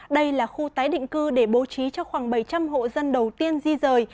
đây là khu tái định cư để bố trí cho khoảng bảy trăm linh hộ dân đầu tiên di rời